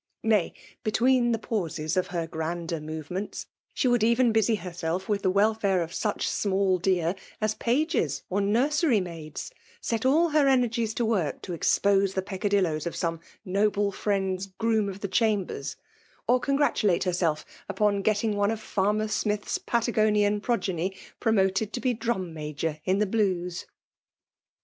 Nay, between the pauses of her grander movements, she would even busy herself with the welfare of such ftmall deer as pages or nursery maids, set all her energies to work to expose the peccadilloes of some noble friend's groom of the chambers ; or congratulate herself upon getting one of JParmcr Smith's Patagonian progeny promoted to be drum major in the Blues.